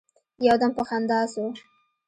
يو دم په خندا سو.